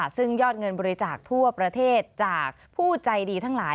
ซึ่งยอดเงินบริจาคทั่วประเทศจากผู้ใจดีทั้งหลาย